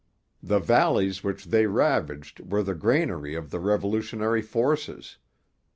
The valleys which they ravaged were the granary of the revolutionary forces.